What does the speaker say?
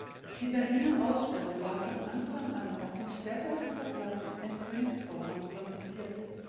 Die Berliner Ausstellung war von Anfang an auf den späteren Verbleib in Königsbronn konzipiert.